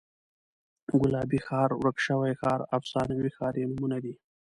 ګلابي ښار، ورک شوی ښار، افسانوي ښار یې نومونه دي.